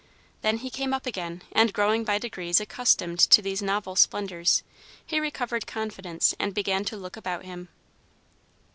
Then he came up again, and, growing by degrees accustomed to these novel splendors, he recovered confidence, and began to look about him.